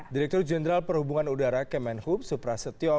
direktur jenderal perhubungan udara kemenhub supra setiopi